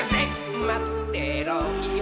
「まってろよ！」